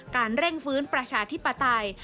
เร่งฟื้นประชาธิปไตย